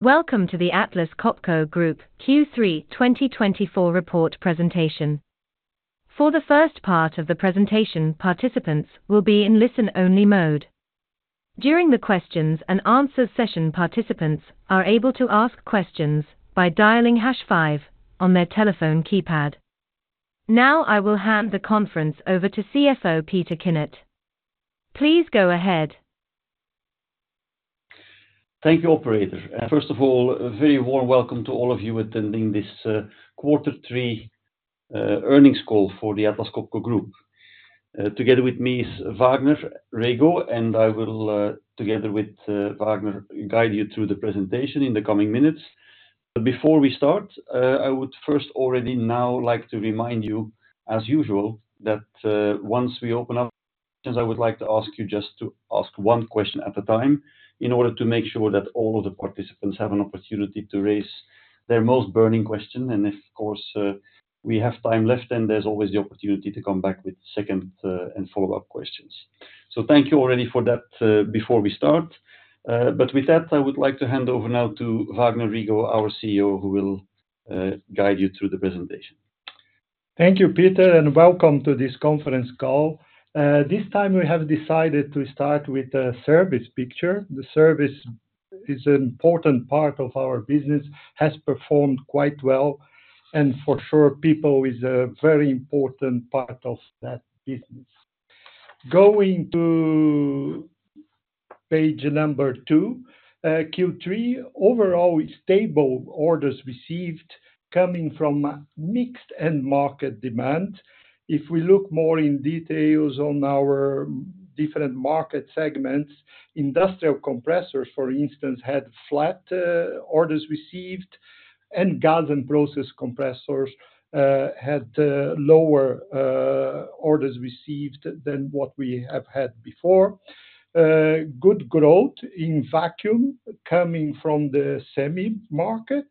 Welcome to the Atlas Copco Group Q3 2024 report presentation. For the first part of the presentation, participants will be in listen-only mode. During the questions and answers session, participants are able to ask questions by dialing hash five on their telephone keypad. Now, I will hand the conference over to CFO Peter Kinnart. Please go ahead. Thank you, operator. First of all, a very warm welcome to all of you attending this, quarter three, earnings call for the Atlas Copco Group. Together with me is Vagner Rego, and I will, together with, Vagner, guide you through the presentation in the coming minutes. But before we start, I would first already now like to remind you, as usual, that, once we open up, I would like to ask you just to ask one question at a time in order to make sure that all of the participants have an opportunity to raise their most burning question. And if, of course, we have time left, then there's always the opportunity to come back with second, and follow-up questions. So thank you already for that, before we start. But with that, I would like to hand over now to Vagner Rego, our CEO, who will guide you through the presentation. Thank you, Peter, and welcome to this conference call. This time we have decided to start with the service picture. The service is an important part of our business, has performed quite well, and for sure, people is a very important part of that business. Going to page number two, Q3, overall stable orders received coming from mixed and market demand. If we look more in detail on our different market segments, industrial compressors, for instance, had flat orders received, and gas and process compressors had lower orders received than what we have had before. Good growth in vacuum coming from the semi market,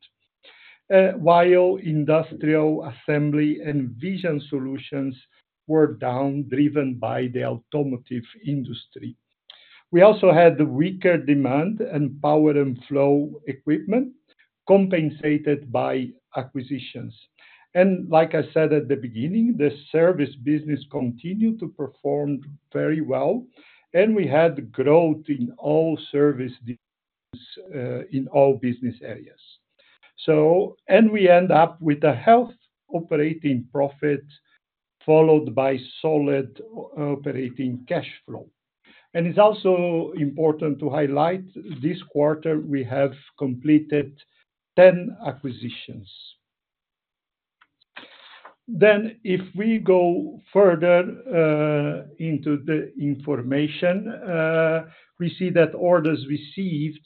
Industrial Assembly and Vision Solutions were down, driven by the automotive industry. We also had weaker demand in Power and Flow equipment, compensated by acquisitions. And like I said at the beginning, the service business continued to perform very well, and we had growth in all service, in all business areas. So and we end up with a healthy operating profit, followed by solid operating cash flow. And it's also important to highlight, this quarter, we have completed 10 acquisitions. Then, if we go further into the information, we see that orders received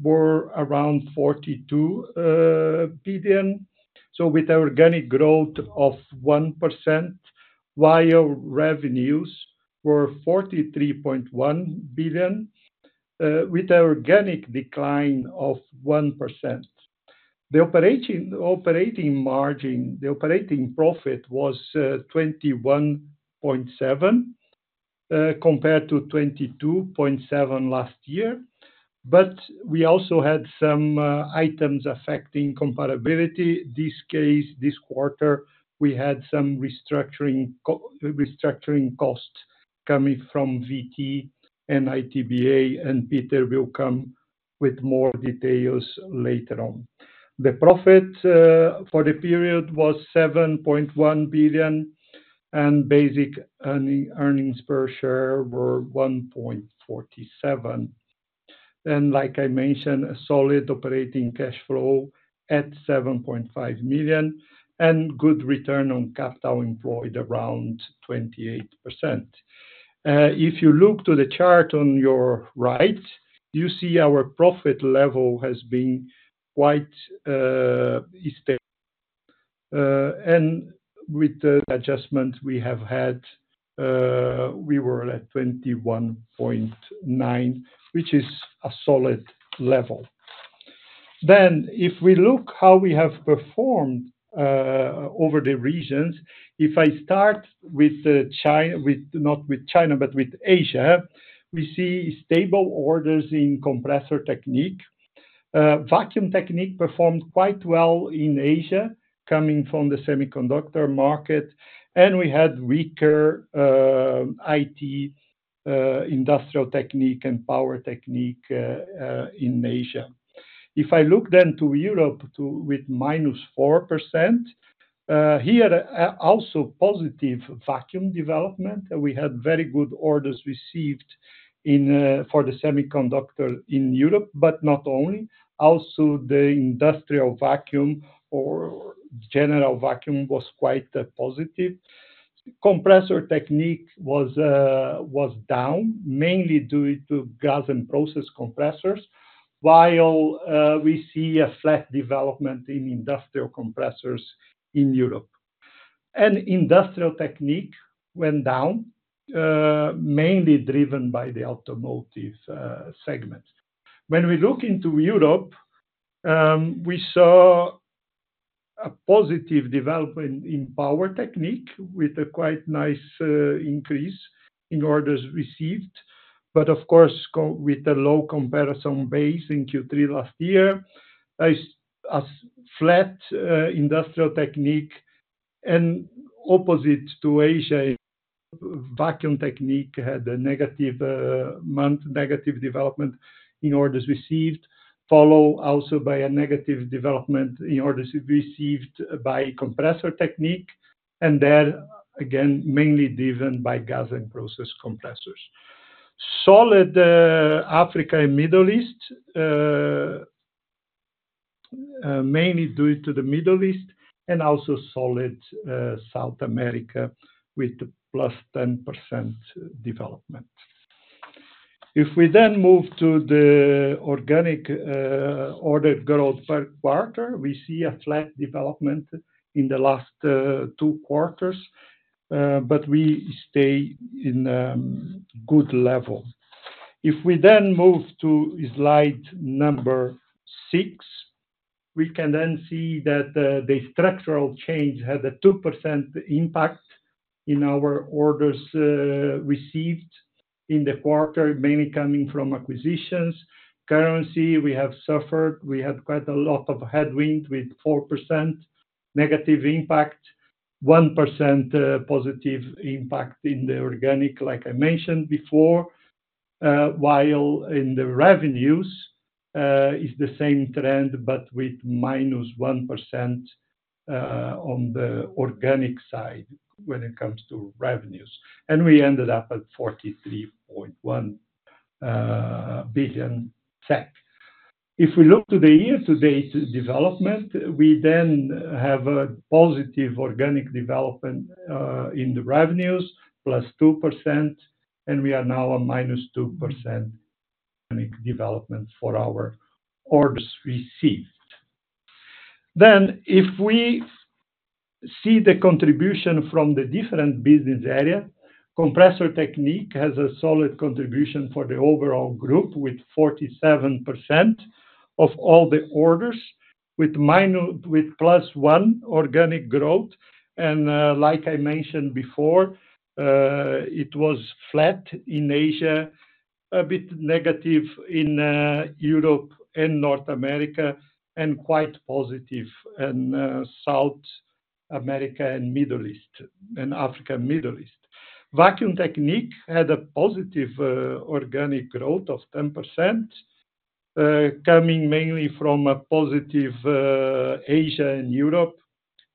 were around 42 billion. So with organic growth of 1%, while revenues were 43.1 billion with organic decline of 1%. The operating margin... The operating profit was 21.7 billion compared to 22.7 billion last year. But we also had some items affecting comparability. This case, this quarter, we had some restructuring costs coming from VT and ITBA, and Peter will come with more details later on. The profit for the period was 7.1 billion, and basic earnings per share were 1.47. Like I mentioned, a solid operating cash flow at 7.5 million, and good return on capital employed around 28%. If you look to the chart on your right, you see our profit level has been quite stable. And with the adjustment we have had, we were at 21.9%, which is a solid level. Then, if we look how we have performed over the regions, if I start with, not with China, but with Asia, we see stable orders in Compressor Technique. Vacuum Technique performed quite well in Asia, coming from the semiconductor market, and we had weaker IT, Industrial Technique and Power Technique in Asia. If I look then to Europe with -4%, here also positive vacuum development. We had very good orders received in for the semiconductor in Europe, but not only, also the Industrial Vacuum or general vacuum was quite positive. Compressor Technique was down, mainly due to gas and process compressors, while we see a flat development in industrial compressors in Europe. And Industrial Technique went down mainly driven by the automotive segment. When we look into Europe, we saw positive development in Power Technique, with a quite nice increase in orders received. But of course, with the low comparison base in Q3 last year, a flat Industrial Technique and opposite to Asia, Vacuum Technique had a negative month, negative development in orders received, followed also by a negative development in orders received by Compressor Technique, and then again, mainly driven by gas and process compressors. Solid Africa and Middle East, mainly due to the Middle East, and also solid South America, with the +10% development. If we then move to the organic order growth per quarter, we see a flat development in the last two quarters, but we stay in a good level. If we then move to slide number six, we can then see that the structural change had a 2% impact in our orders received in the quarter, mainly coming from acquisitions. Currency, we have suffered. We had quite a lot of headwind, with 4% negative impact, 1% positive impact in the organic, like I mentioned before. While in the revenues is the same trend, but with -1% on the organic side when it comes to revenues, and we ended up at 43.1 billion SEK. If we look to the year-to-date development, we then have a positive organic development in the revenues, +2%, and we are now on -2% development for our orders received. Then, if we see the contribution from the different business area, Compressor Technique has a solid contribution for the overall group, with 47% of all the orders, with +1% organic growth. Like I mentioned before, it was flat in Asia, a bit negative in Europe and North America, and quite positive in South America and Middle East, and Africa and Middle East. Vacuum Technique had a positive organic growth of 10%, coming mainly from a positive Asia and Europe,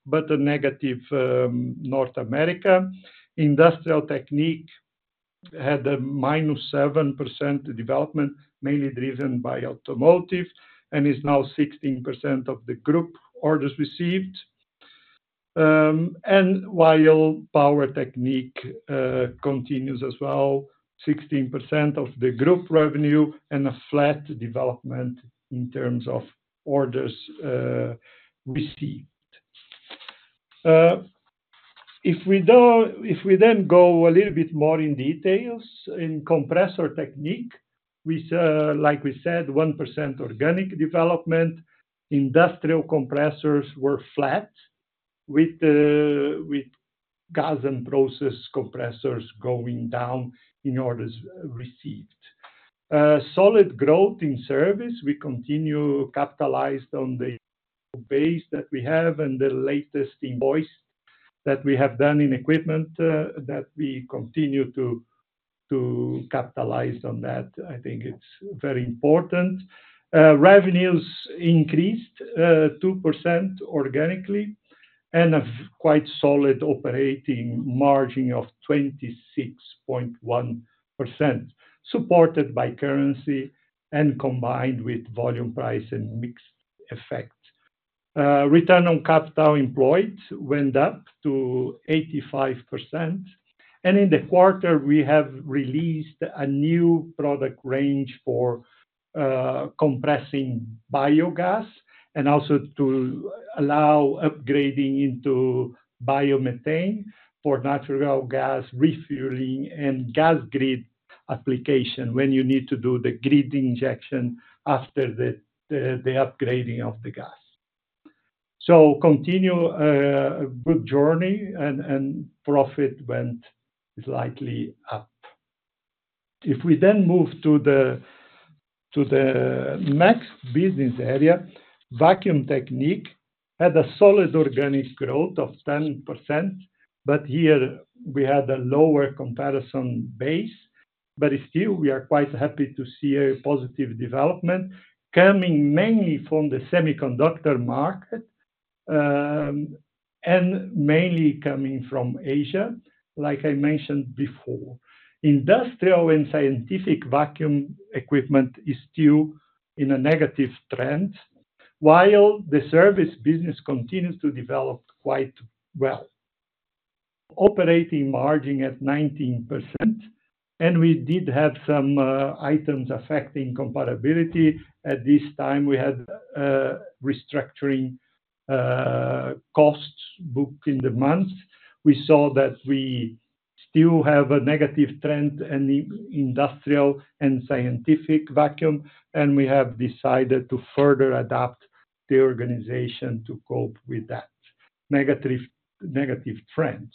but a negative North America. Industrial Technique had a -7% development, mainly driven by automotive, and is now 16% of the Group orders received. And while Power Technique continues as well, 16% of the Group revenue and a flat development in terms of orders received. If we then go a little bit more in details, in Compressor Technique, which, like we said, 1% organic development. Industrial Compressors were flat, with gas and process compressors going down in orders received. Solid growth in service. We continue capitalized on the base that we have and the latest investments that we have done in equipment, that we continue to capitalize on that. I think it's very important. Revenues increased two percent organically, and a fairly quite solid operating margin of 26.1%, supported by currency and combined with volume, price, and mix effect. Return on capital employed went up to 85%, and in the quarter, we have released a new product range for compressing biogas, and also to allow upgrading into biomethane for natural gas refueling and gas grid application, when you need to do the grid injection after the upgrading of the gas. So continue good journey and profit went slightly up. If we then move to the next business area, Vacuum Technique had a solid organic growth of 10%, but here we had a lower comparison base. But still, we are quite happy to see a positive development coming mainly from the semiconductor market, and mainly coming from Asia, like I mentioned before. Industrial and Scientific Vacuum equipment is still in a negative trend, while the service business continues to develop quite well. Operating margin at 19%, and we did have some items affecting comparability. At this time, we had restructuring costs booked in the month. We saw that we still have a negative trend in the industrial and Scientific Vacuum, and we have decided to further adapt the organization to cope with that negative trends.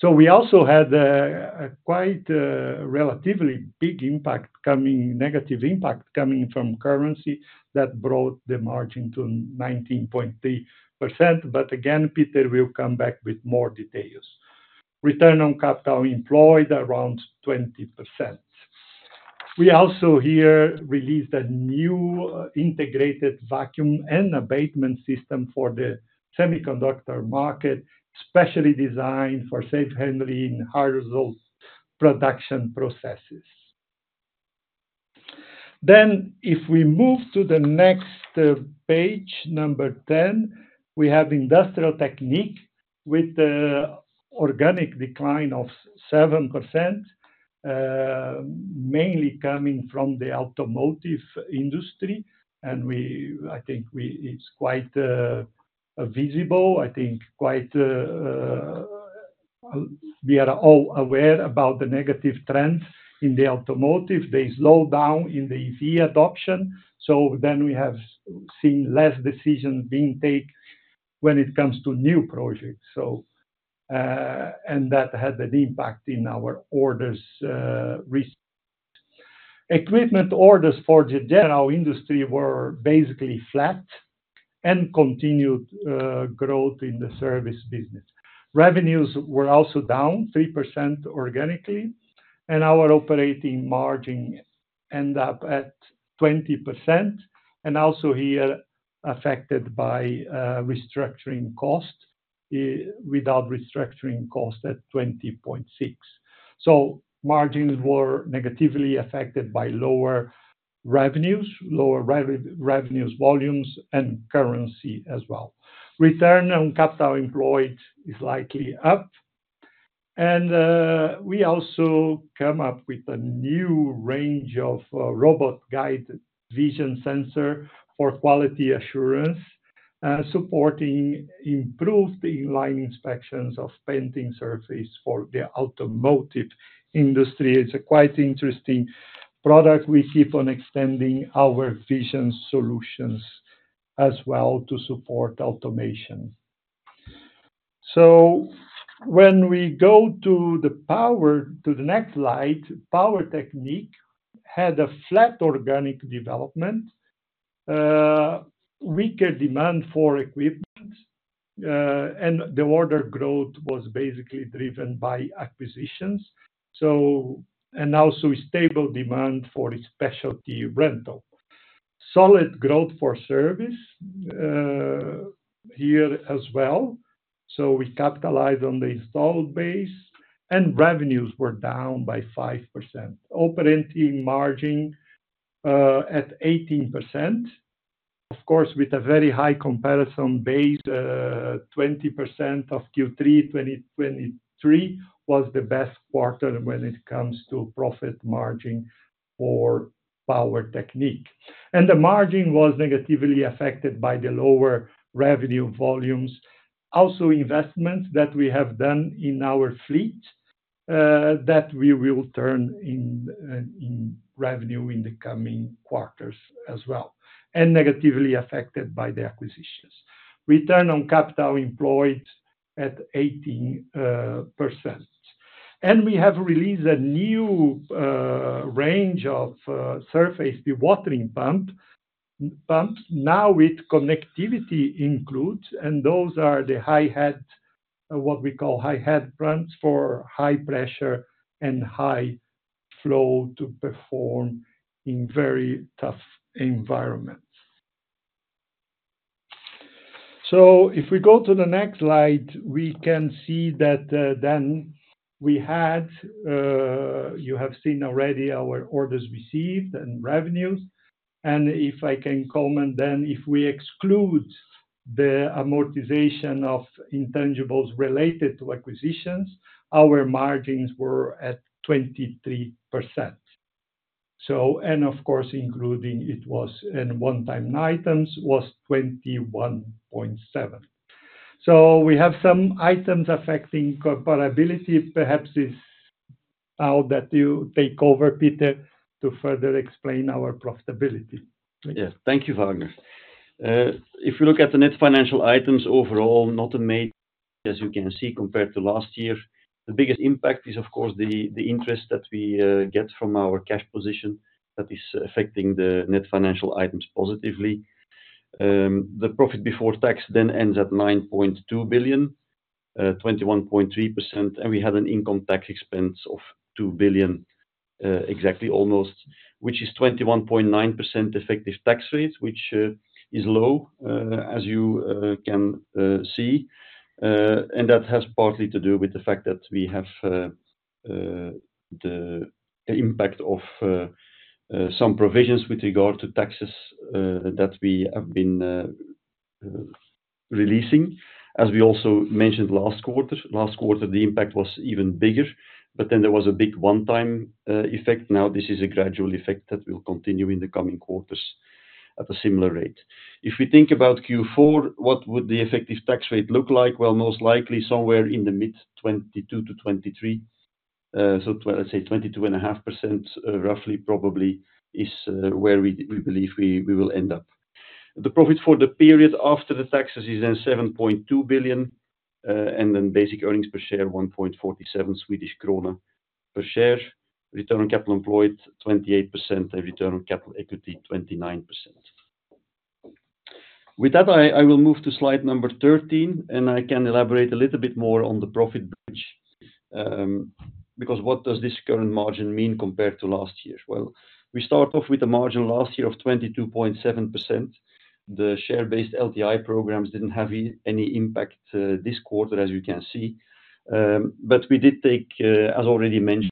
So we also had a quite relatively big impact coming, negative impact coming from currency that brought the margin to 19.3%. But again, Peter will come back with more details. Return on capital employed around 20%. We also here released a new integrated vacuum and abatement system for the semiconductor market, specially designed for safe handling high-risk production processes. Then, if we move to the next page, number 10, we have Industrial Technique with the organic decline of 7%, mainly coming from the automotive industry. And it's quite visible. I think we are all quite aware about the negative trends in the automotive. They slow down in the EV adoption, so then we have seen less decisions being taken when it comes to new projects. So, and that had an impact in our orders received. Equipment orders for the general industry were basically flat and continued growth in the service business. Revenues were also down 3% organically, and our operating margin end up at 20%, and also here affected by restructuring costs, without restructuring costs at 20.6%. Margins were negatively affected by lower revenues, volumes, and currency as well. Return on capital employed is likely up. We also come up with a new range of robot-guided vision sensor for quality assurance, supporting improved inline inspections of painting surface for the automotive industry. It's a quite interesting product. We keep on extending our Vision Solutions as well to support automation. When we go to Power Technique, to the next slide, Power Technique had a flat organic development, weaker demand for equipment, and the order growth was basically driven by acquisitions, and also stable demand for Specialty Rental. Solid growth for service here as well. We capitalize on the installed base, and revenues were down by 5%. Operating margin at 18%, of course, with a very high comparison base, 20% of Q3 2023 was the best quarter when it comes to profit margin for Power Technique. And the margin was negatively affected by the lower revenue volumes. Also, investments that we have done in our fleet, that we will turn in revenue in the coming quarters as well, and negatively affected by the acquisitions. Return on capital employed at 18%. And we have released a new range of surface dewatering pumps, now with connectivity included, and those are the high head, what we call high head pumps, for high pressure and high flow to perform in very tough environments. If we go to the next slide, we can see that, then we had, you have seen already our orders received and revenues. And if I can comment then, if we exclude the amortization of intangibles related to acquisitions, our margins were at 23%. So, and of course, including it was and one-time items, was 21.7%. So we have some items affecting comparability. Perhaps it's now that you take over, Peter, to further explain our profitability. Yeah. Thank you, Vagner. If you look at the net financial items overall, not a major, as you can see, compared to last year. The biggest impact is, of course, the interest that we get from our cash position that is affecting the net financial items positively. The profit before tax then ends at 9.2 billion, 21.3%, and we had an income tax expense of 2 billion, exactly almost, which is 21.9% effective tax rate, which is low, as you can see. And that has partly to do with the fact that we have the impact of some provisions with regard to taxes that we have been releasing. As we also mentioned last quarter, the impact was even bigger, but then there was a big one-time effect. Now, this is a gradual effect that will continue in the coming quarters at a similar rate. If we think about Q4, what would the effective tax rate look like? Well, most likely somewhere in the mid-22% to 23%. So well, let's say 22.5%, roughly, probably is where we believe we will end up. The profit for the period after the taxes is then 7.2 billion, and then basic earnings per share, 1.47 Swedish krona per share, return on capital employed, 28%, and return on capital equity, 29%. With that, I will move to slide number 13, and I can elaborate a little bit more on the profit bridge. Because what does this current margin mean compared to last year? Well, we start off with a margin last year of 22.7%. The share-based LTI programs didn't have any impact this quarter, as you can see. But we did take, as already mentioned,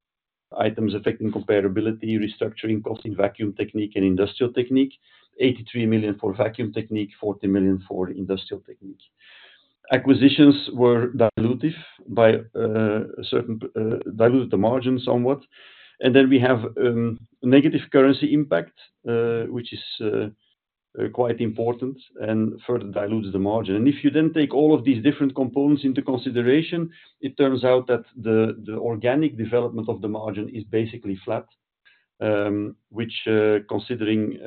items affecting comparability, restructuring costs in Vacuum Technique and Industrial Technique. sek 83 million for Vacuum Technique, sek 40 million for Industrial Technique. Acquisitions were dilutive by a certain diluted the margin somewhat. Then we have negative currency impact, which is quite important and further dilutes the margin. If you then take all of these different components into consideration, it turns out that the organic development of the margin is basically flat. Which, considering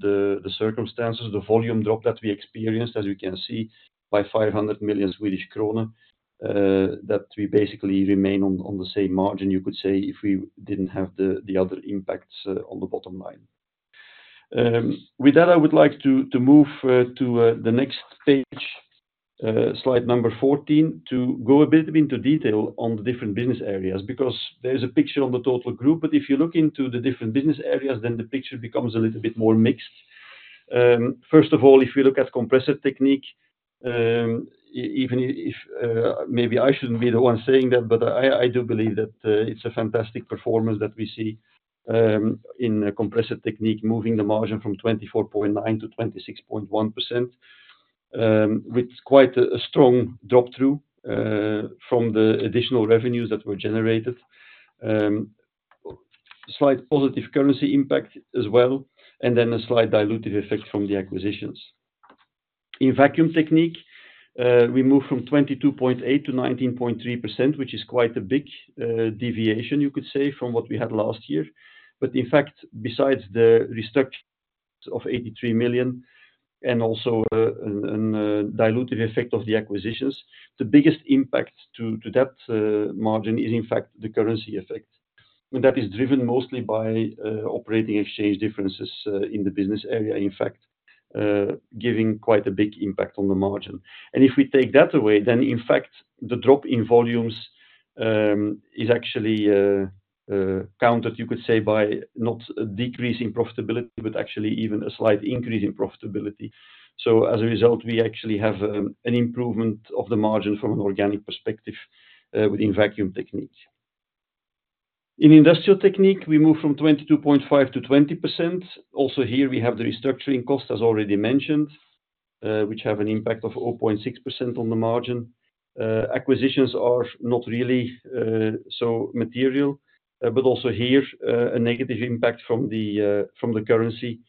the circumstances, the volume drop that we experienced, as you can see, by 500 million Swedish kronor, that we basically remain on the same margin, you could say, if we didn't have the other impacts on the bottom line. With that, I would like to move to the next page, slide number 14, to go a bit into detail on the different business areas, because there is a picture on the total group, but if you look into the different business areas, then the picture becomes a little bit more mixed. First of all, if you look at Compressor Technique, even if maybe I shouldn't be the one saying that, but I do believe that it's a fantastic performance that we see in Compressor Technique, moving the margin from 24.9% to 26.1%. With quite a strong drop-through from the additional revenues that were generated. Slight positive currency impact as well, and then a slight dilutive effect from the acquisitions. In Vacuum Technique, we moved from 22.8% to 19.3%, which is quite a big deviation, you could say, from what we had last year, but in fact, besides the restructuring of 83 million and also a dilutive effect of the acquisitions, the biggest impact to that margin is, in fact, the currency effect. And that is driven mostly by operating exchange differences in the business area, in fact, giving quite a big impact on the margin. And if we take that away, then in fact, the drop in volumes is actually countered, you could say, by not a decrease in profitability, but actually even a slight increase in profitability. So as a result, we actually have an improvement of the margin from an organic perspective within Vacuum Technique. In Industrial Technique, we move from 22.5% to 20%. Also here, we have the restructuring cost, as already mentioned, which have an impact of 0.6% on the margin. Acquisitions are not really so material, but also here a negative impact from the currency,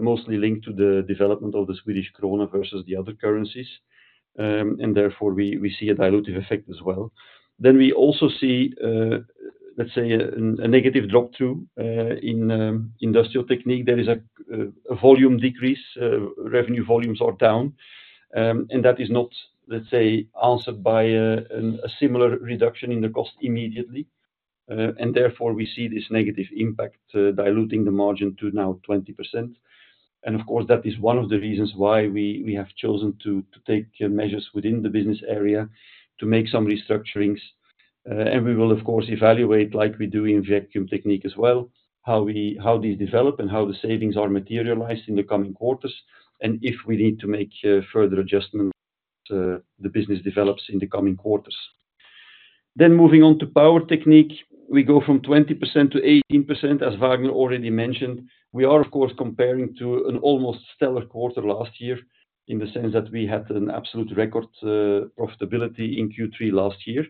mostly linked to the development of the Swedish krona versus the other currencies. And therefore, we see a dilutive effect as well. Then we also see, let's say, a negative drop-through in Industrial Technique. There is a volume decrease, revenue volumes are down, and that is not, let's say, answered by a similar reduction in the cost immediately. And therefore, we see this negative impact diluting the margin to now 20%. And of course, that is one of the reasons why we have chosen to take measures within the business area to make some restructurings. And we will, of course, evaluate, like we do in Vacuum Technique as well, how these develop and how the savings are materialized in the coming quarters, and if we need to make further adjustment, the business develops in the coming quarters. Then moving on to Power Technique, we go from 20% to 18%, as Vagner already mentioned. We are, of course, comparing to an almost stellar quarter last year, in the sense that we had an absolute record profitability in Q3 last year.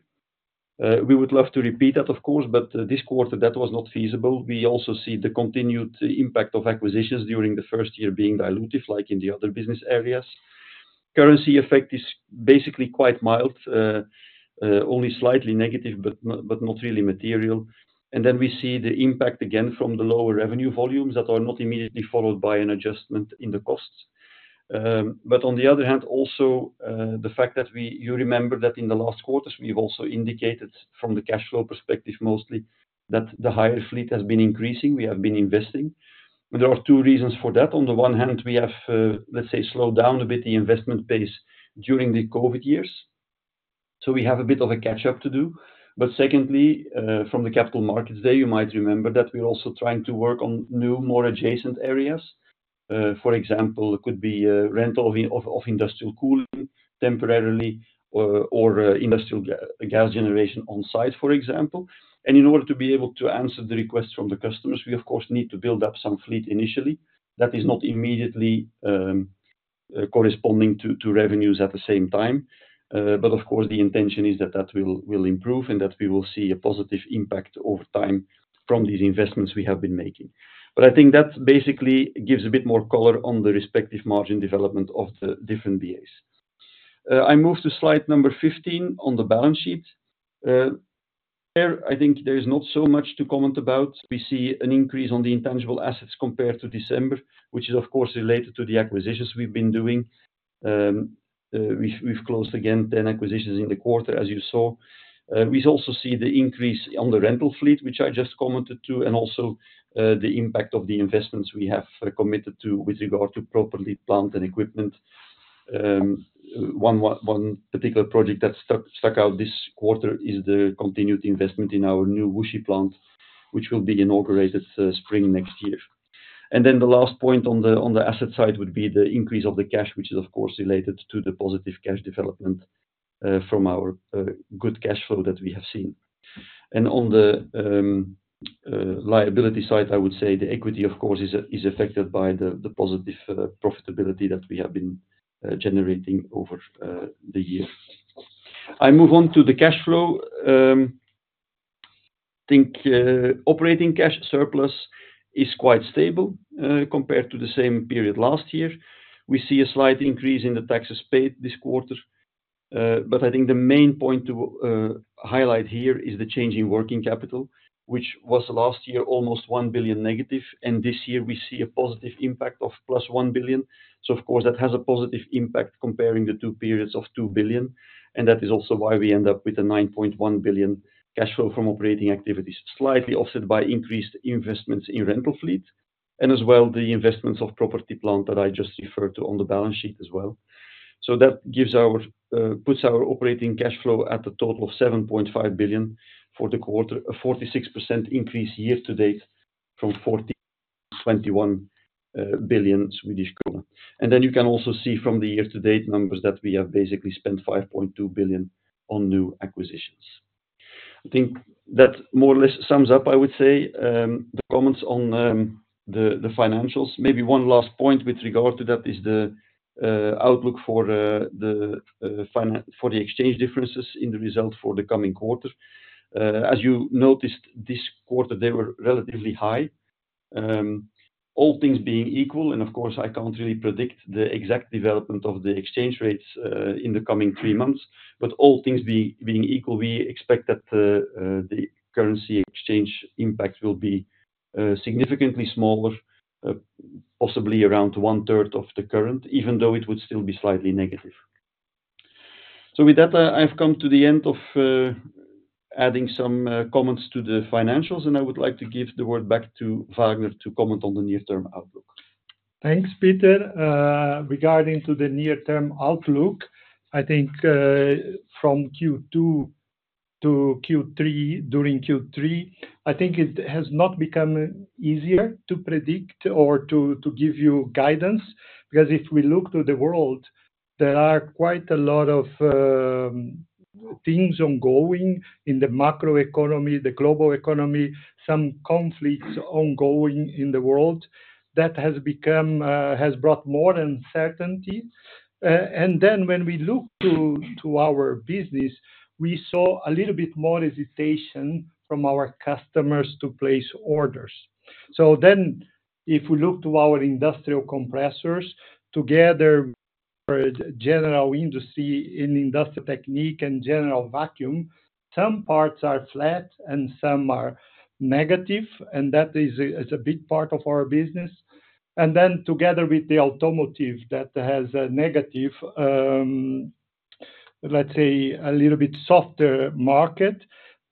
We would love to repeat that, of course, but this quarter, that was not feasible. We also see the continued impact of acquisitions during the first year being dilutive, like in the other business areas. Currency effect is basically quite mild, only slightly negative, but not really material. And then we see the impact again from the lower revenue volumes that are not immediately followed by an adjustment in the costs. But on the other hand, also, the fact that you remember that in the last quarters, we have also indicated from the cash flow perspective mostly, that the higher fleet has been increasing. We have been investing. There are two reasons for that. On the one hand, we have, let's say, slowed down a bit the investment pace during the COVID years, so we have a bit of a catch-up to do. But secondly, from the capital markets there, you might remember that we are also trying to work on new, more adjacent areas. For example, it could be rental of industrial cooling temporarily or industrial gas generation on site, for example. And in order to be able to answer the request from the customers, we of course need to build up some fleet initially. That is not immediately corresponding to revenues at the same time. But of course, the intention is that that will improve and that we will see a positive impact over time from these investments we have been making. But I think that basically gives a bit more color on the respective margin development of the different BAs. I move to slide number fifteen on the balance sheet. There, I think there is not so much to comment about. We see an increase on the intangible assets compared to December, which is, of course, related to the acquisitions we've been doing. We've closed again ten acquisitions in the quarter, as you saw. We also see the increase on the rental fleet, which I just commented to, and also, the impact of the investments we have committed to with regard to property, plant, and equipment. One particular project that stuck out this quarter is the continued investment in our new Wuxi plant, which will be inaugurated spring next year. Then the last point on the asset side would be the increase of the cash, which is, of course, related to the positive cash development from our good cash flow that we have seen. On the liability side, I would say the equity, of course, is affected by the positive profitability that we have been generating over the year. I move on to the cash flow. I think operating cash surplus is quite stable compared to the same period last year. We see a slight increase in the taxes paid this quarter. But I think the main point to highlight here is the change in working capital, which was last year almost 1 billion negative, and this year we see a positive impact of plus 1 billion. So of course, that has a positive impact comparing the two periods of 2 billion, and that is also why we end up with a 9.1 billion cash flow from operating activities, slightly offset by increased investments in rental fleet, and as well, the investments of property plant that I just referred to on the balance sheet as well. So that puts our operating cash flow at a total of 7.5 billion for the quarter, a 46% increase year-to-date from 41 billion Swedish kronor. And then you can also see from the year-to-date numbers that we have basically spent 5.2 billion on new acquisitions. I think that more or less sums up, I would say, the comments on the financials. Maybe one last point with regard to that is the outlook for the exchange differences in the result for the coming quarter. As you noticed, this quarter, they were relatively high. All things being equal, and of course, I can't really predict the exact development of the exchange rates in the coming three months, but all things being equal, we expect that the currency exchange impact will be significantly smaller, possibly around one third of the current, even though it would still be slightly negative. So with that, I've come to the end of adding some comments to the financials, and I would like to give the word back to Vagner to comment on the near-term outlook. Thanks, Peter. Regarding to the near-term outlook, I think, from Q2 to Q3, during Q3, I think it has not become easier to predict or to give you guidance. Because if we look to the world, there are quite a lot of things ongoing in the macroeconomy, the global economy, some conflicts ongoing in the world that has brought more uncertainty. And then when we look to our business, we saw a little bit more hesitation from our customers to place orders. So then, if we look to our industrial compressors together, general industry in Industrial Technique and general vacuum, some parts are flat and some are negative, and that is a big part of our business. And then, together with the automotive that has a negative, let's say, a little bit softer market,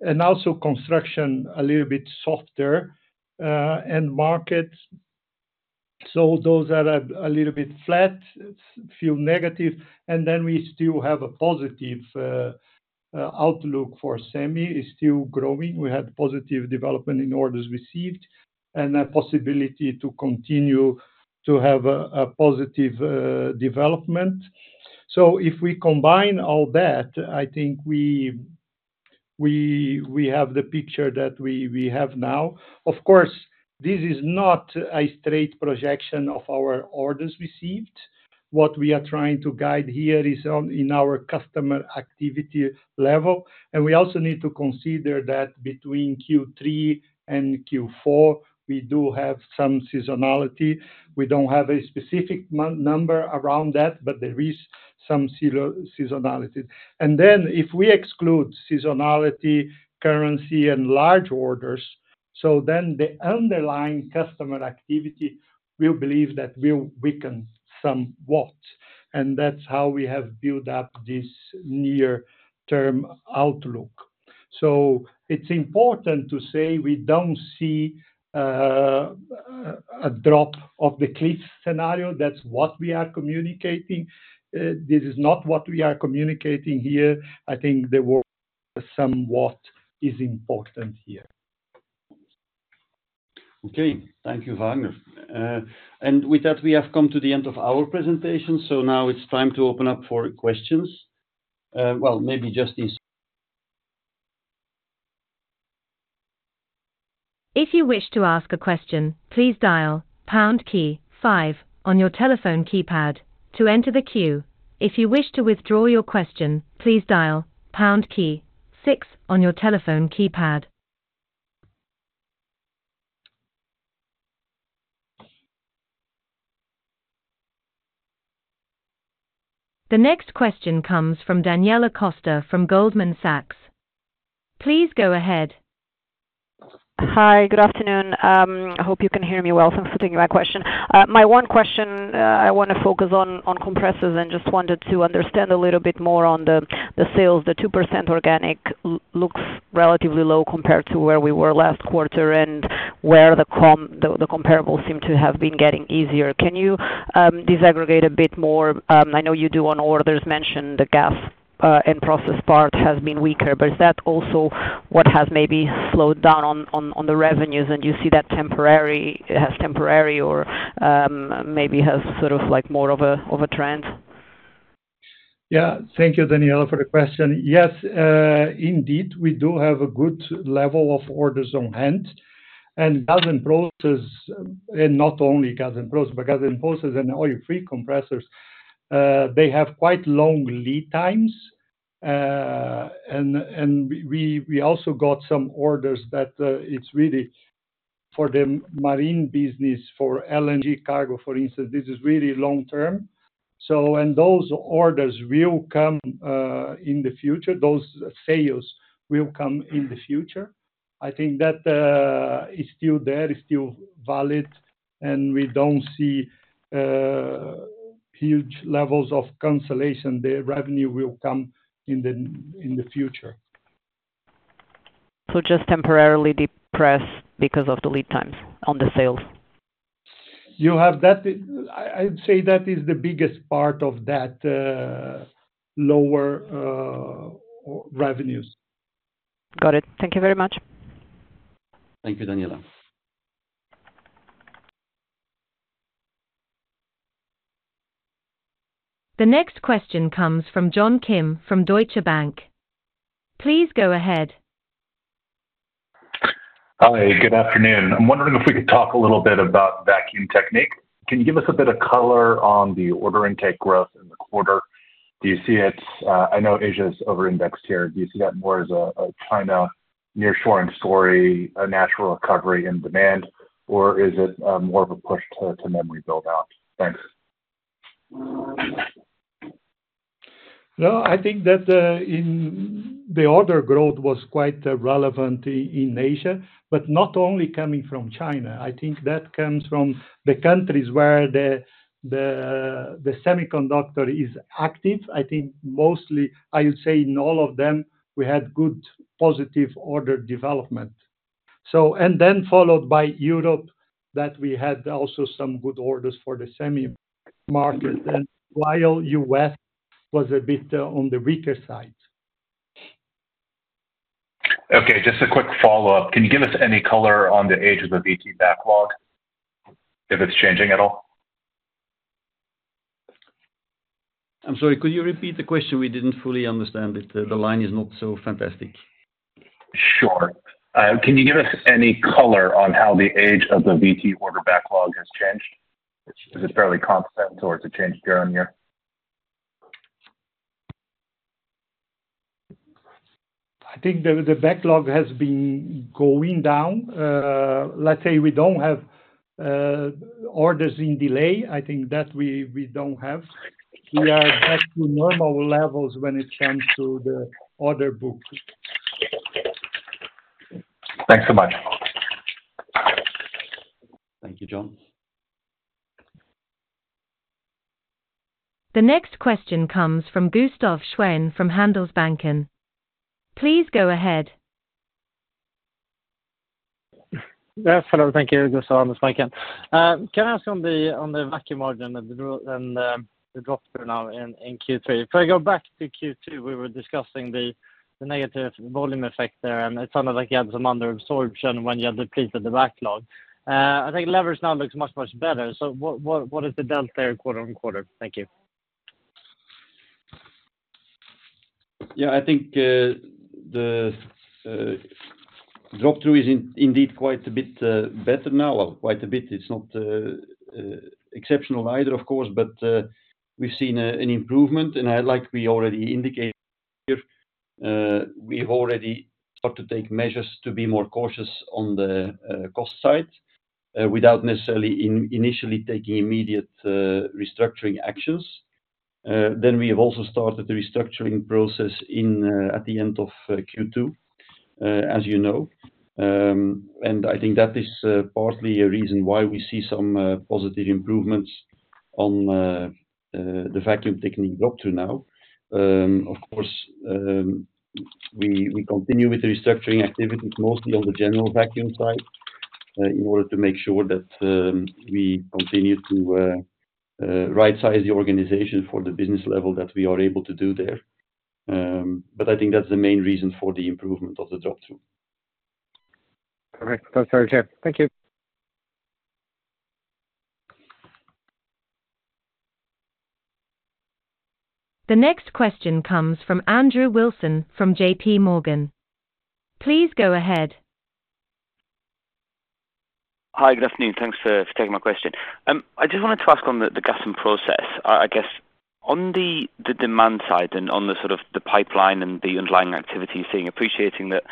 and also construction, a little bit softer, and markets. So those are a little bit flat, feel negative, and then we still have a positive outlook for semi is still growing. We had positive development in orders received and a possibility to continue to have a positive development. So if we combine all that, I think we have the picture that we have now. Of course, this is not a straight projection of our orders received. What we are trying to guide here is on our customer activity level, and we also need to consider that between Q3 and Q4, we do have some seasonality. We don't have a specific number around that, but there is some seasonality. And then, if we exclude seasonality, currency, and large orders, so then the underlying customer activity, we believe that will weaken somewhat, and that's how we have built up this near-term outlook. So it's important to say we don't see a drop of the cliff scenario. That's what we are communicating. This is not what we are communicating here. I think the word somewhat is important here. Okay. Thank you, Vagner. And with that, we have come to the end of our presentation. So now it's time to open up for questions. Well, maybe just this- If you wish to ask a question, please dial pound key five on your telephone keypad to enter the queue. If you wish to withdraw your question, please dial pound key six on your telephone keypad. The next question comes from Daniela Costa from Goldman Sachs. Please go ahead. Hi, good afternoon. I hope you can hear me well. Thanks for taking my question. My one question, I wanna focus on compressors, and just wanted to understand a little bit more on the sales. The 2% organic looks relatively low compared to where we were last quarter and where the comparables seem to have been getting easier. Can you disaggregate a bit more? I know you do on orders mention the gas and process part has been weaker, but is that also what has maybe slowed down on the revenues, and you see that as temporary or maybe has sort of like more of a trend? Yeah. Thank you, Daniela, for the question. Yes, indeed, we do have a good level of orders on hand, and gas and process, and not only gas and process, but gas and process and oil-free compressors, they have quite long lead times. And we also got some orders that it's really for the marine business, for LNG cargo, for instance. This is really long-term. So when those orders will come in the future, those sales will come in the future. I think that is still there, is still valid, and we don't see huge levels of cancellation. The revenue will come in the future. So just temporarily depressed because of the lead times on the sales? You have that. I'd say that is the biggest part of that, lower revenues. Got it. Thank you very much. Thank you, Daniela. The next question comes from John Kim from Deutsche Bank. Please go ahead. Hi, good afternoon. I'm wondering if we could talk a little bit about Vacuum Technique. Can you give us a bit of color on the order intake growth in the quarter? Do you see it's, I know Asia is over-indexed here. Do you see that more as a China near shoring story, a natural recovery in demand, or is it more of a push to memory build-out? Thanks. No, I think that in the order growth was quite relevant in Asia, but not only coming from China. I think that comes from the countries where the semiconductor is active. I think mostly, I would say in all of them, we had good, positive order development. And then followed by Europe, that we had also some good orders for the semi market, and while U.S. was a bit on the weaker side. Okay, just a quick follow-up. Can you give us any color on the age of the VT backlog, if it's changing at all? I'm sorry, could you repeat the question? We didn't fully understand it. The line is not so fantastic. Sure. Can you give us any color on how the age of the VT order backlog has changed? Is it fairly constant or is it changed year-on-year? I think the backlog has been going down. Let's say we don't have orders in delay. I think that we don't have. We are back to normal levels when it comes to the order book. Thanks so much. Thank you, John. The next question comes from Gustaf Schwerin from Handelsbanken. Please go ahead. Yes, hello. Thank you. Gustaf Schwerin. Can I ask on the vacuum margin and the drop through now in Q3? If I go back to Q2, we were discussing the negative volume effect there, and it sounded like you had some under absorption when you had depleted the backlog. I think leverage now looks much, much better. So what is the delta there quarter on quarter? Thank you. Yeah, I think the drop-through is indeed quite a bit better now. Quite a bit. It's not exceptional either, of course, but we've seen an improvement, and as we already indicated, we've already started to take measures to be more cautious on the cost side without necessarily initially taking immediate restructuring actions. Then we have also started the restructuring process at the end of Q2, as you know. I think that is partly a reason why we see some positive improvements on the Vacuum Technique up to now. Of course, we continue with the restructuring activities mostly on the general vacuum side, in order to make sure that we continue to right-size the organization for the business level that we are able to do there. But I think that's the main reason for the improvement of the drop-through. All right. That's very clear. Thank you. The next question comes from Andrew Wilson from JPMorgan. Please go ahead. Hi, good afternoon. Thanks for taking my question. I just wanted to ask on the gas and process. I guess on the demand side and on the sort of the pipeline and the underlying activity, seeing appreciating that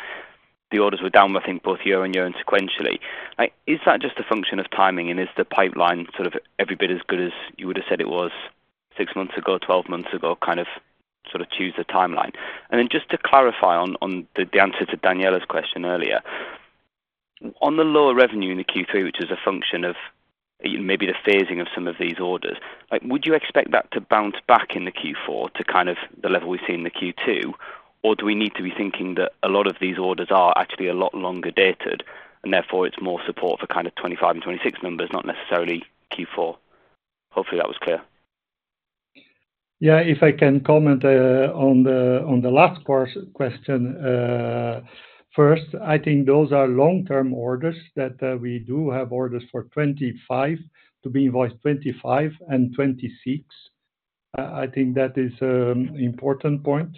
the orders were down, I think, both year on year and sequentially. Like, is that just a function of timing, and is the pipeline sort of every bit as good as you would have said it was six months ago, 12 months ago? Kind of, sort of, choose the timeline. And then just to clarify on the answer to Daniela's question earlier. On the lower revenue in the Q3, which is a function of maybe the phasing of some of these orders, like, would you expect that to bounce back in the Q4 to kind of the level we've seen in the Q2? Or do we need to be thinking that a lot of these orders are actually a lot longer dated, and therefore it's more support for kind of 2025 and 2026 numbers, not necessarily Q4? Hopefully, that was clear. Yeah, if I can comment on the last question first, I think those are long-term orders that we do have orders for 2025 to be invoiced 2025 and 2026. I think that is important point.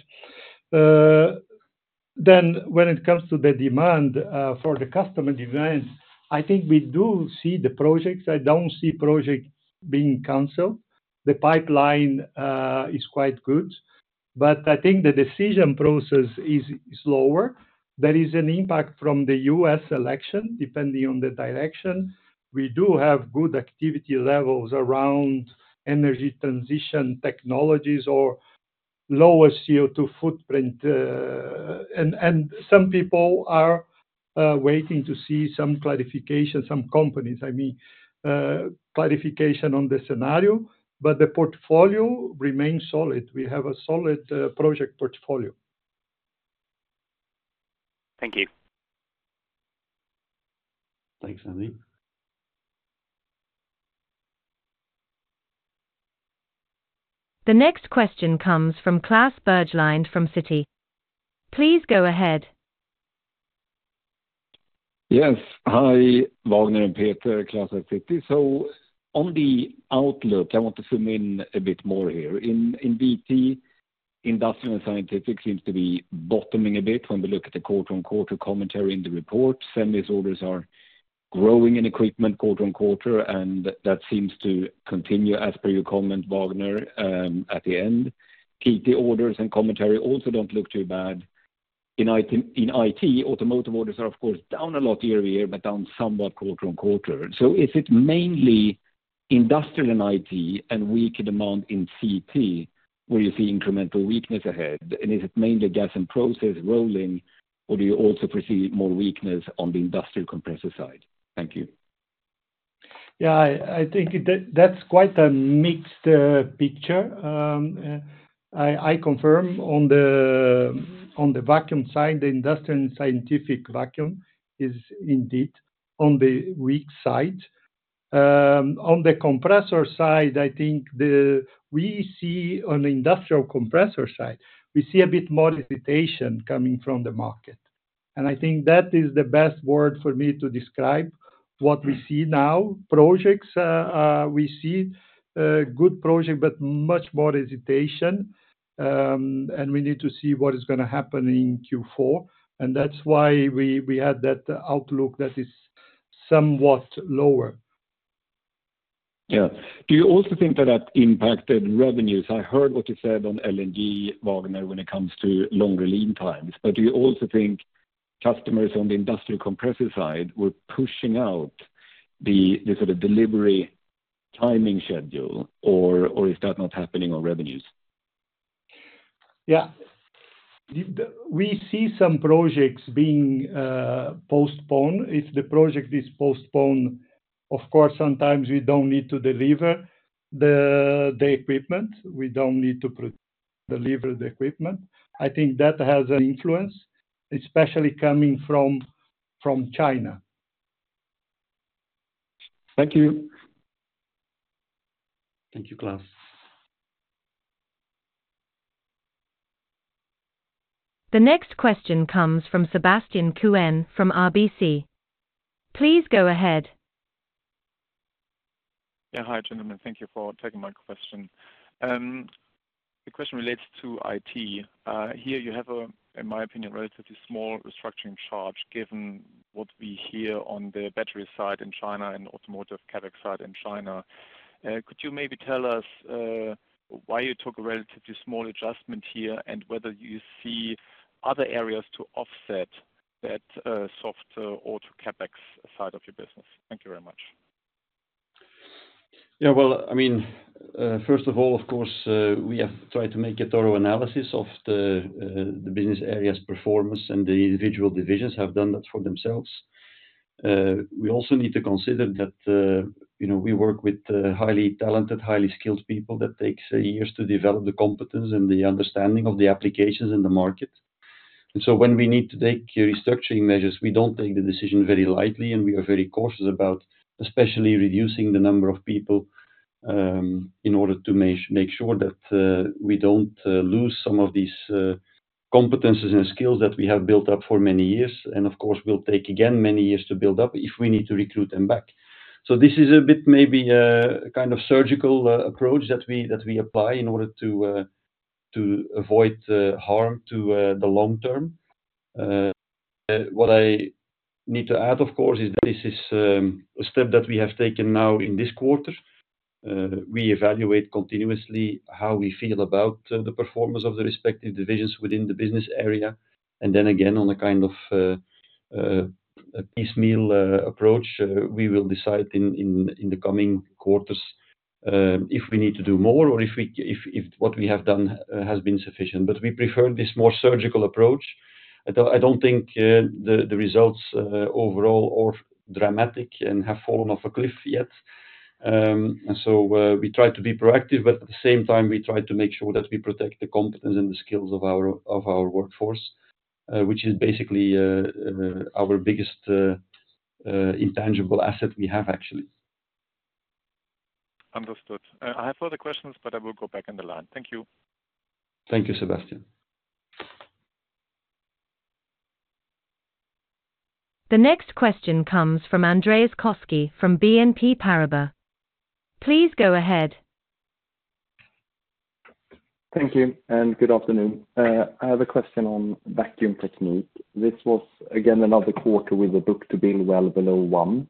Then when it comes to the demand for the customer design, I think we do see the projects. I don't see projects being canceled. The pipeline is quite good, but I think the decision process is slower. There is an impact from the U.S. election, depending on the direction. We do have good activity levels around energy transition technologies or lower CO2 footprint, and some people are waiting to see some clarification. Some companies, I mean, clarification on the scenario, but the portfolio remains solid. We have a solid project portfolio. Thank you. Thanks, Andy. The next question comes from Klas Bergelind from Citi. Please go ahead. Yes. Hi, Vagner and Peter, Klas at Citi. So on the outlook, I want to zoom in a bit more here. In VT, industrial and scientific seems to be bottoming a bit when we look at the quarter on quarter commentary in the reports, and these orders are growing in equipment quarter on quarter, and that seems to continue as per your comment, Vagner, at the end. Even the orders and commentary also don't look too bad. In IT, automotive orders are of course down a lot year on year, but down somewhat quarter on quarter. So is it mainly industrial and IT and weaker demand in CT, where you see incremental weakness ahead, and is it mainly gas and process compressors, or do you also foresee more weakness on the industrial compressor side? Thank you. Yeah, I think that, that's quite a mixed picture. I confirm on the vacuum side, the industrial Scientific Vacuum is indeed on the weak side. On the compressor side, I think. We see on the industrial compressor side, we see a bit more hesitation coming from the market, and I think that is the best word for me to describe what we see now. Projects, we see good project, but much more hesitation, and we need to see what is gonna happen in Q4, and that's why we had that outlook that is somewhat lower. Yeah. Do you also think that that impacted revenues? I heard what you said on LNG, Vagner, when it comes to longer lead times, but do you also think customers on the industrial compressor side were pushing out the sort of delivery timing schedule, or is that not happening on revenues? Yeah. We see some projects being postponed. If the project is postponed, of course, sometimes we don't need to deliver the equipment. We don't need to deliver the equipment. I think that has an influence, especially coming from China. Thank you. Thank you, Klas. The next question comes from Sebastian Kuenne from RBC. Please go ahead. Yeah. Hi, gentlemen. Thank you for taking my question. The question relates to IT. Here you have a, in my opinion, relatively small restructuring charge, given what we hear on the battery side in China and automotive CapEx side in China. Could you maybe tell us why you took a relatively small adjustment here, and whether you see other areas to offset that soft auto CapEx side of your business? Thank you very much. Yeah, well, I mean, first of all, of course, we have tried to make a thorough analysis of the business areas performance, and the individual divisions have done that for themselves. We also need to consider that, you know, we work with highly talented, highly skilled people. That takes years to develop the competence and the understanding of the applications in the market. And so when we need to take restructuring measures, we don't take the decision very lightly, and we are very cautious about especially reducing the number of people, in order to make sure that we don't lose some of these competencies and skills that we have built up for many years. And of course, will take again, many years to build up if we need to recruit them back. So this is a bit maybe kind of surgical approach that we apply in order to avoid harm to the long term. What I need to add, of course, is that this is a step that we have taken now in this quarter. We evaluate continuously how we feel about the performance of the respective divisions within the business area. And then again, on a kind of a piecemeal approach, we will decide in the coming quarters if we need to do more or if what we have done has been sufficient. But we prefer this more surgical approach. I don't think the results overall are dramatic and have fallen off a cliff yet. We try to be proactive, but at the same time, we try to make sure that we protect the competence and the skills of our workforce, which is basically our biggest intangible asset we have, actually. Understood. I have further questions, but I will go back in the line. Thank you. Thank you, Sebastian. The next question comes from Andreas Koski from BNP Paribas. Please go ahead. Thank you, and good afternoon. I have a question on Vacuum Technique. This was, again, another quarter with a book-to-bill well below one,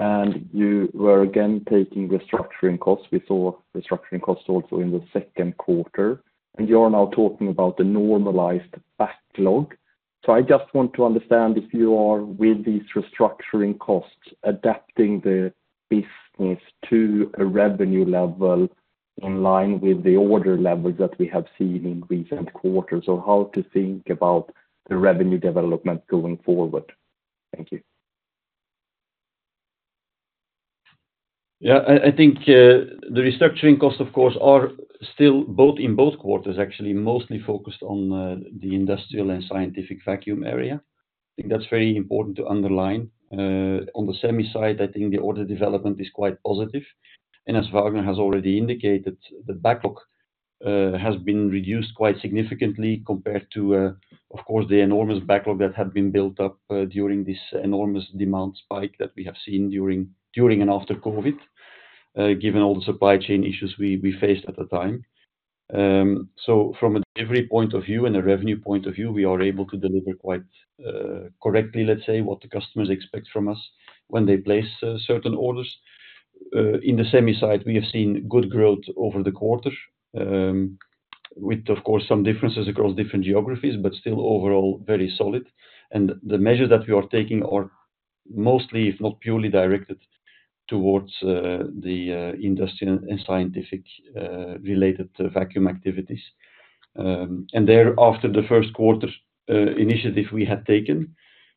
and you were again taking restructuring costs. We saw restructuring costs also in the second quarter, and you are now talking about the normalized backlog. So I just want to understand if you are, with these restructuring costs, adapting the business to a revenue level in line with the order levels that we have seen in recent quarters, or how to think about the revenue development going forward? Thank you. Yeah, I think the restructuring costs, of course, are still in both quarters, actually, mostly focused on the industrial and Scientific Vacuum area. I think that's very important to underline. On the semi side, I think the order development is quite positive, and as Vagner has already indicated, the backlog has been reduced quite significantly compared to, of course, the enormous backlog that had been built up during this enormous demand spike that we have seen during and after COVID, given all the supply chain issues we faced at the time. So from a delivery point of view and a revenue point of view, we are able to deliver quite correctly, let's say, what the customers expect from us when they place certain orders. In the semi side, we have seen good growth over the quarter, with, of course, some differences across different geographies, but still overall very solid. The measure that we are taking are mostly, if not purely, directed towards the industrial and scientific related vacuum activities. And there, after the first quarter initiative we had taken,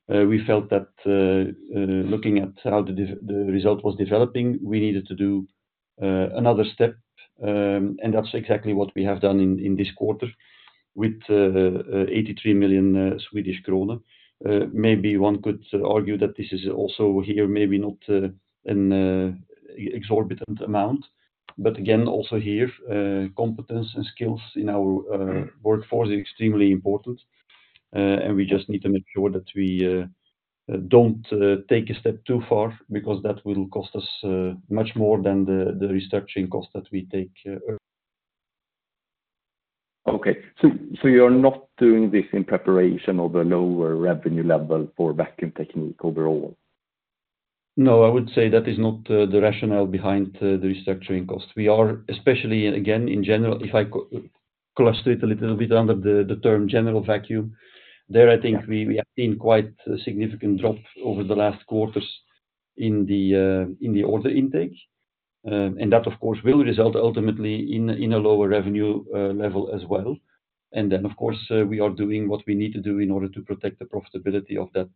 we felt that, looking at how the result was developing, we needed to do another step, and that's exactly what we have done in this quarter with 83 million Swedish krona. Maybe one could argue that this is also here, maybe not, an exorbitant amount, but again, also here, competence and skills in our workforce are extremely important, and we just need to make sure that we don't take a step too far, because that will cost us much more than the restructuring cost that we take. Okay. So, you're not doing this in preparation of a lower revenue level for Vacuum Technique overall? No, I would say that is not the rationale behind the restructuring cost. We are, especially, and again, in general, if I cluster it a little bit under the term general vacuum, there, I think we have seen quite a significant drop over the last quarters in the order intake. And that, of course, will result ultimately in a lower revenue level as well. Then, of course, we are doing what we need to do in order to protect the profitability of that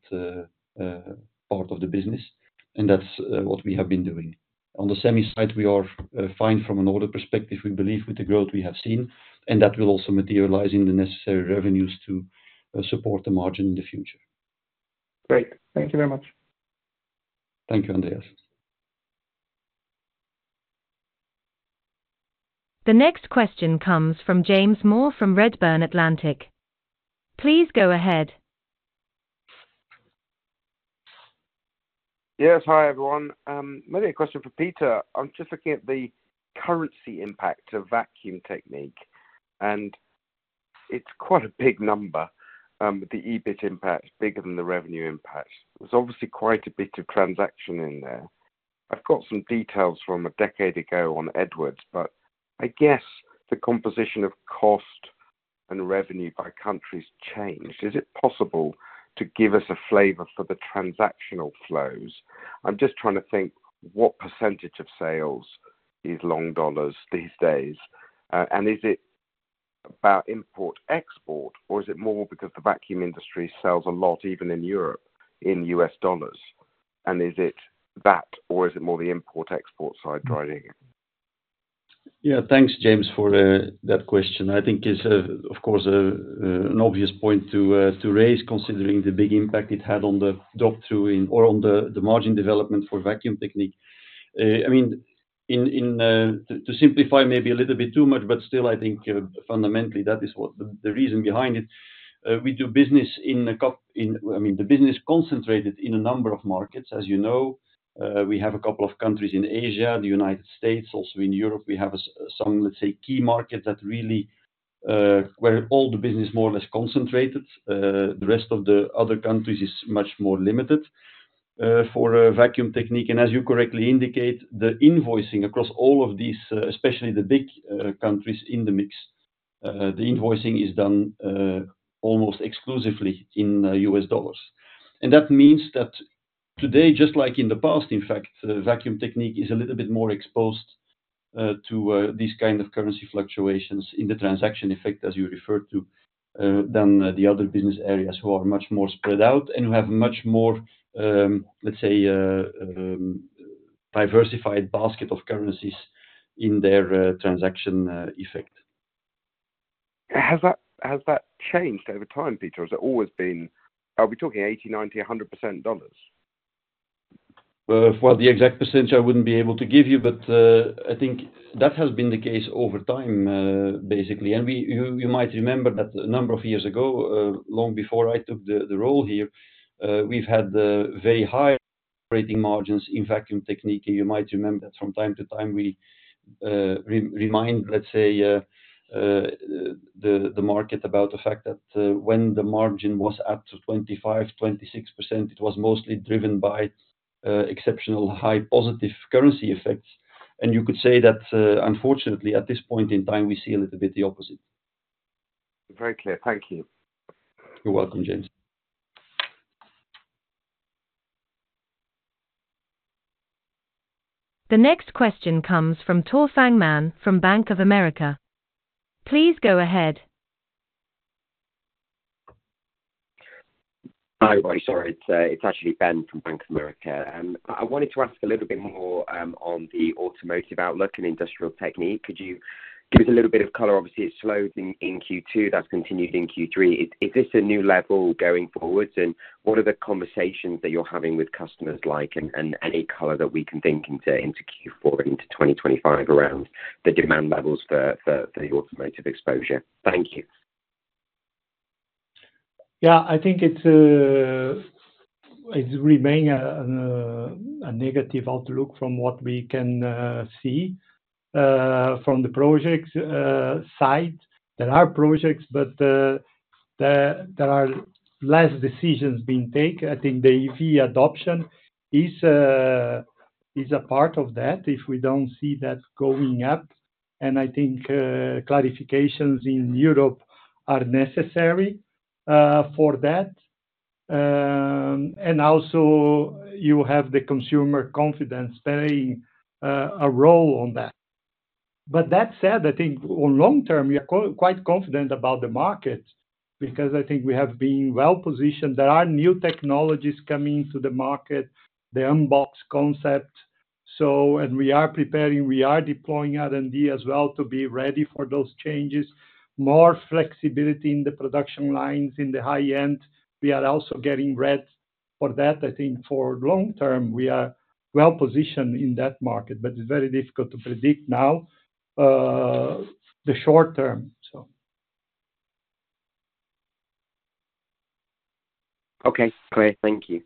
part of the business, and that's what we have been doing. On the semi side, we are fine from an order perspective. We believe with the growth we have seen, and that will also materializing the necessary revenues to support the margin in the future. Great. Thank you very much. Thank you, Andreas. The next question comes from James Moore, from Redburn Atlantic. Please go ahead. Yes, hi, everyone. Maybe a question for Peter. I'm just looking at the currency impact to Vacuum Technique, and it's quite a big number, the EBIT impact is bigger than the revenue impact. There's obviously quite a bit of transactional in there. I've got some details from a decade ago on Edwards, but I guess the composition of cost and revenue by countries changed. Is it possible to give us a flavor for the transactional flows? I'm just trying to think, what percentage of sales is long dollars these days? And is it about import-export, or is it more because the vacuum industry sells a lot, even in Europe, in US dollars? And is it that, or is it more the import-export side driving it? Yeah. Thanks, James, for that question. I think it's of course an obvious point to raise, considering the big impact it had on the drop-through in or on the margin development for Vacuum Technique. I mean, to simplify maybe a little bit too much, but still, I think, fundamentally that is what the reason behind it. We do business in, I mean, the business concentrated in a number of markets, as you know. We have a couple of countries in Asia, the United States, also in Europe. We have some, let's say, key markets that really where all the business more or less concentrated. The rest of the other countries is much more limited for a Vacuum Technique. And as you correctly indicate, the invoicing across all of these, especially the big countries in the mix, the invoicing is done almost exclusively in US dollars. And that means that today, just like in the past, in fact, the Vacuum Technique is a little bit more exposed to these kind of currency fluctuations in the transaction effect, as you referred to, than the other business areas who are much more spread out and who have much more, let's say, diversified basket of currencies in their transaction effect. Has that changed over time, Peter, or has it always been? Are we talking 80%, 90%, 100% dollars? Well, the exact percentage I wouldn't be able to give you, but I think that has been the case over time, basically. You might remember that a number of years ago, long before I took the role here, we've had very high operating margins in Vacuum Technique. You might remember that from time to time, we remind, let's say, the market about the fact that when the margin was up to 25%-26%, it was mostly driven by exceptional high positive currency effects. You could say that, unfortunately, at this point in time, we see a little bit the opposite. Very clear. Thank you. You're welcome, James. The next question comes from [Tusang Mann] from Bank of America. Please go ahead. Hi, sorry, it's actually Ben from Bank of America. I wanted to ask a little bit more on the automotive outlook and Industrial Technique. Could you give us a little bit of color? Obviously, it slowed in Q2, that's continued in Q3. Is this a new level going forward, and what are the conversations that you're having with customers like, and any color that we can then into Q4, into 2025 around the demand levels for the automotive exposure? Thank you. Yeah, I think it's a negative outlook from what we can see from the projects side. There are projects, but there are less decisions being taken. I think the EV adoption is a part of that, if we don't see that going up, and I think clarifications in Europe are necessary for that. And also you have the consumer confidence playing a role on that. But that said, I think on long term, we are quite confident about the market because I think we have been well positioned. There are new technologies coming into the market, the unbox concept. So and we are preparing, we are deploying R&D as well to be ready for those changes, more flexibility in the production lines in the high end. We are also getting ready for that. I think for long term, we are well positioned in that market, but it's very difficult to predict now, the short term, so. Okay, great. Thank you.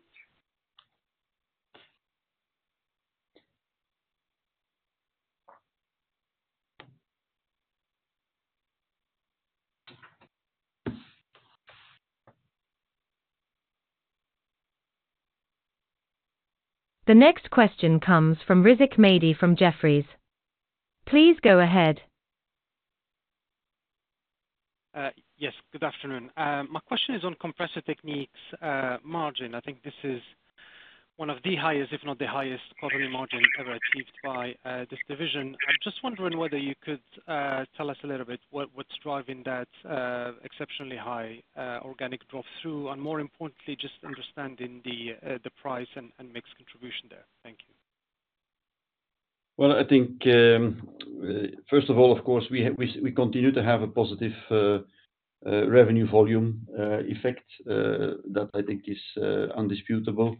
The next question comes from Rizk Maidi, from Jefferies. Please go ahead. Yes, good afternoon. My question is on Compressor Technique margin. I think this is one of the highest, if not the highest, quarterly margin ever achieved by this division. I'm just wondering whether you could tell us a little bit what what's driving that exceptionally high organic drop-through, and more importantly, just understanding the the price and and mix contribution there. Thank you. Well, I think, first of all, of course, we continue to have a positive revenue volume effect that I think is undisputable.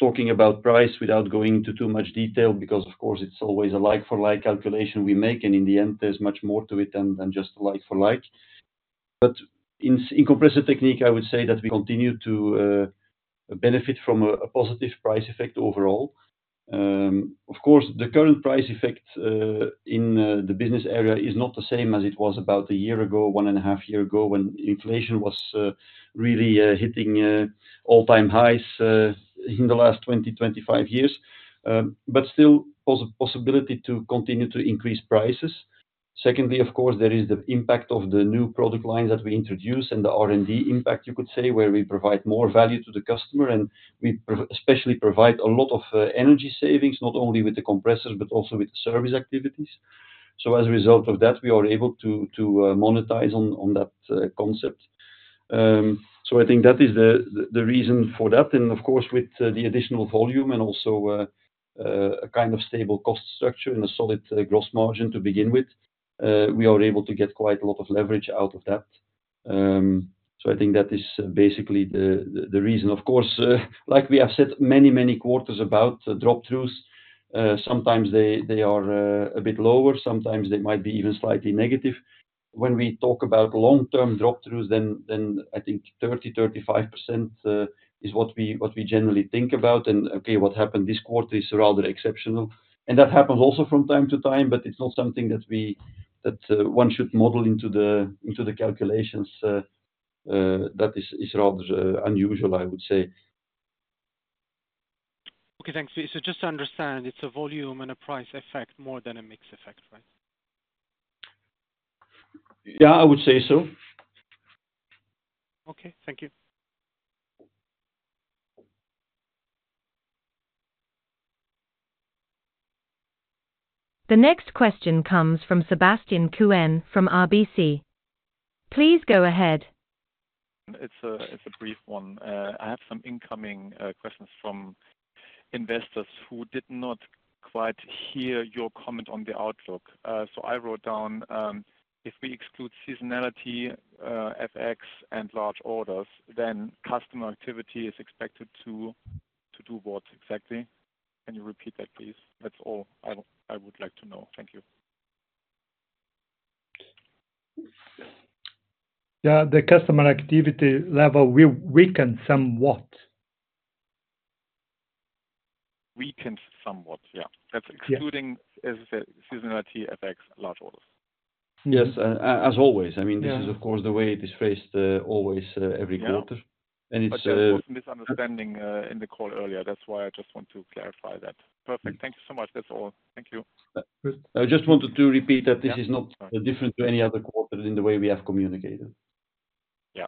Talking about price without going into too much detail, because of course, it's always a like for like calculation we make, and in the end, there's much more to it than just like for like. But in Compressor Technique, I would say that we continue to benefit from a positive price effect overall. Of course, the current price effect in the business area is not the same as it was about a year ago, one and a half year ago, when inflation was really hitting all-time highs in the last twenty, twenty-five years, but still possibility to continue to increase prices. Secondly, of course, there is the impact of the new product line that we introduced and the R&D impact, you could say, where we provide more value to the customer, and we especially provide a lot of energy savings, not only with the compressors but also with service activities. So as a result of that, we are able to monetize on that concept. So I think that is the reason for that, and of course, with the additional volume and also a kind of stable cost structure and a solid gross margin to begin with, we are able to get quite a lot of leverage out of that. So I think that is basically the reason. Of course, like we have said many, many quarters about the drop-throughs, sometimes they are a bit lower, sometimes they might be even slightly negative. When we talk about long-term drop-throughs, then I think 30%-35% is what we generally think about. Okay, what happened this quarter is rather exceptional, and that happens also from time to time, but it's not something that one should model into the calculations. That is rather unusual, I would say. Okay, thanks. So just to understand, it's a volume and a price effect more than a mix effect, right? Yeah, I would say so. Okay, thank you. The next question comes from Sebastian Kuenne from RBC. Please go ahead. It's a brief one. I have some incoming questions from investors who did not quite hear your comment on the outlook. So I wrote down: If we exclude seasonality, FX, and large orders, then customer activity is expected to do what exactly? Can you repeat that, please? That's all I would like to know. Thank you. Yeah, the customer activity level will weaken somewhat. Weaken somewhat, yeah. Yeah. That's excluding, as you said, seasonality, FX, large orders. Yes, as always, I mean. Yeah... this is, of course, the way it is phrased, always, every quarter. Yeah. And it's. But there was a misunderstanding in the call earlier. That's why I just want to clarify that. Perfect. Thank you so much. That's all. Thank you. I just wanted to repeat that this is not different to any other quarter in the way we have communicated. Yeah.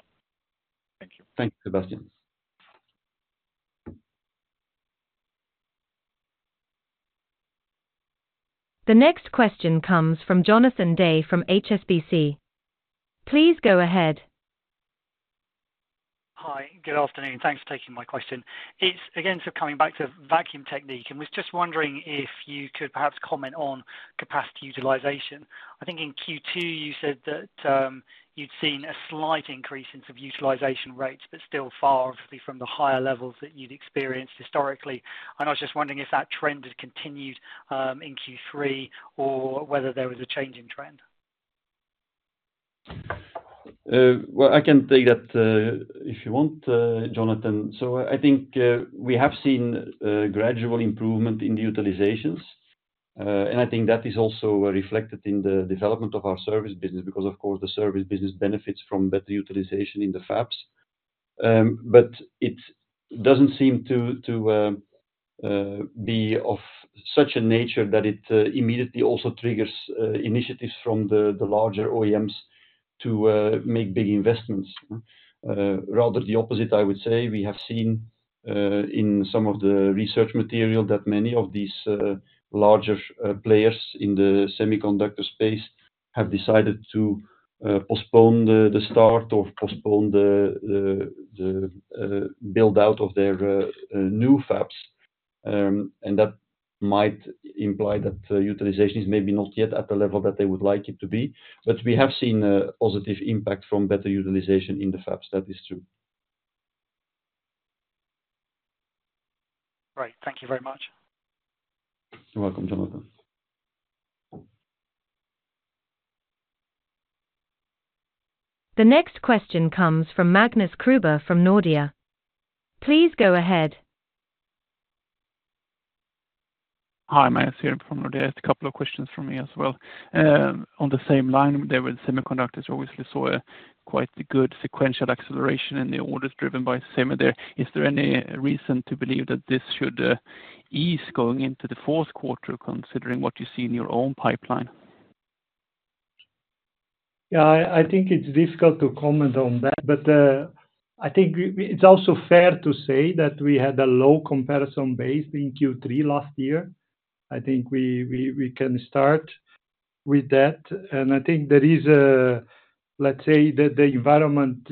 Thank you. Thank you, Sebastian. The next question comes from Jonathan Day from HSBC. Please go ahead. Hi. Good afternoon. Thanks for taking my question. It's, again, so coming back to Vacuum Technique, and was just wondering if you could perhaps comment on capacity utilization. I think in Q2, you said that, you'd seen a slight increase in sort of utilization rates, but still far off from the higher levels that you'd experienced historically. And I was just wondering if that trend has continued, in Q3, or whether there was a change in trend. Well, I can take that if you want, Jonathan. So I think we have seen a gradual improvement in the utilizations, and I think that is also reflected in the development of our service business, because, of course, the service business benefits from better utilization in the fabs. But it doesn't seem to be of such a nature that it immediately also triggers initiatives from the larger OEMs to make big investments. Rather the opposite, I would say. We have seen in some of the research material that many of these larger players in the semiconductor space have decided to postpone the start or postpone the build-out of their new fabs. And that might imply that utilization is maybe not yet at the level that they would like it to be. But we have seen a positive impact from better utilization in the fabs. That is true. Great. Thank you very much. You're welcome, Jonathan. The next question comes from Magnus Kruber from Nordea. Please go ahead. Hi, Magnus here from Nordea. Just a couple of questions from me as well. On the same line there with semiconductors, obviously saw a quite good sequential acceleration in the orders driven by semi there. Is there any reason to believe that this should ease going into the fourth quarter, considering what you see in your own pipeline? Yeah, I think it's difficult to comment on that, but I think it's also fair to say that we had a low comparison base in Q3 last year. I think we can start with that. I think there is a... Let's say that the environment,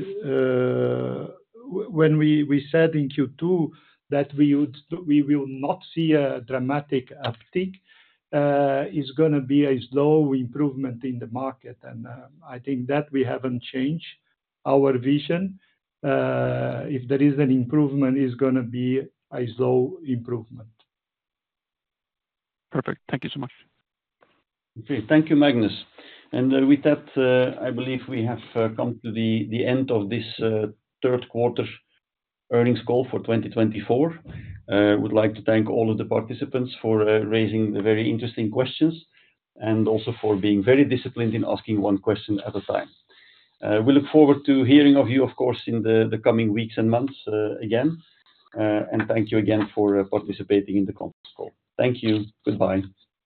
when we said in Q2 that we would not see a dramatic uptick, it's gonna be a slow improvement in the market. I think that we haven't changed our vision. If there is an improvement, it's gonna be a slow improvement. Perfect. Thank you so much. Okay. Thank you, Magnus. And, with that, I believe we have come to the end of this third quarter earnings call for 2024. I would like to thank all of the participants for raising the very interesting questions and also for being very disciplined in asking one question at a time. We look forward to hearing of you, of course, in the coming weeks and months, again. And thank you again for participating in the conference call. Thank you. Goodbye.